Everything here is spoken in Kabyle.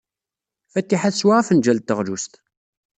Fatiḥa teswa afenjal n teɣlust.